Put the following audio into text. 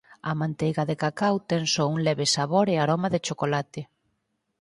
A manteiga de cacao ten só un leve sabor e aroma de chocolate.